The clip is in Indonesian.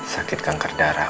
sakit kanker darah